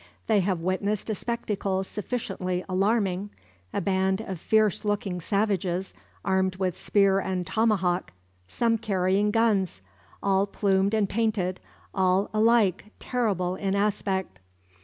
They have witnessed a spectacle sufficiently alarming, a band of fierce looking savages, armed with spear and tomahawk some carrying guns all plumed and painted, all alike terrible in aspect.